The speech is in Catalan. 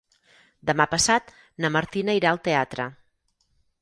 Demà passat na Martina irà al teatre.